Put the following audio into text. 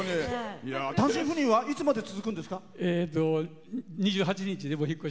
単身赴任はいつまで続くんですか？